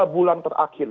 tiga bulan terakhir